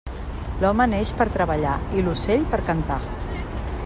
L'home neix per treballar i l'ocell per cantar.